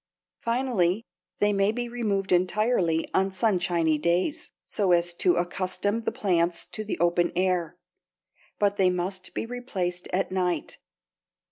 Finally, they may be removed entirely on sunshiny days, so as to accustom the plants to the open air, but they must be replaced at night.